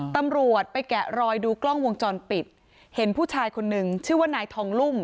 ตำรวจไปแกะรอยดูกล้องวงจรปิดเห็นผู้ชายคนนึงชื่อว่านายทองลุ่ม